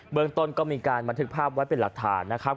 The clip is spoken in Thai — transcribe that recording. เมืองต้นก็มีการบันทึกภาพไว้เป็นหลักฐานนะครับ